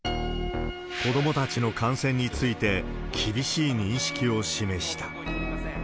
子どもたちの観戦について厳しい認識を示した。